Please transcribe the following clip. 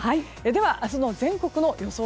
では明日の全国の予想